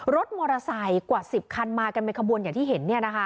รถมอเตอร์ไซค์กว่า๑๐คันมากันเป็นขบวนอย่างที่เห็น